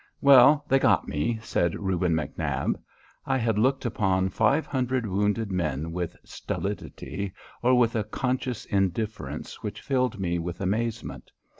"Well, they got me," said Reuben McNab. I had looked upon five hundred wounded men with stolidity, or with a conscious indifference which filled me with amazement.